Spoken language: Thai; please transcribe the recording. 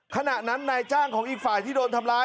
ขณะนั้นนายจ้างของอีกฝ่ายที่โดนทำร้าย